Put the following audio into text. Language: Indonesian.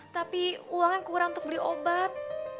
tapi uangnya kurang untuk beli obat